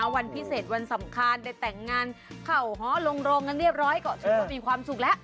วันพิเศษวันสำคัญได้แต่งงานเข้าหอลงกันเรียบร้อยก็ถือว่ามีความสุขแล้ว